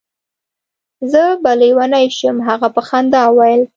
زه به لېونی شم. هغه په خندا وویل.